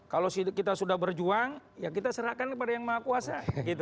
kalau kita sudah berjuang ya kita serahkan kepada yang maha kuasa